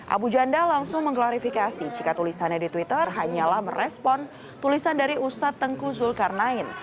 abu janda langsung mengklarifikasi jika tulisannya di twitter hanyalah merespon tulisan dari ustadz tengku zulkarnain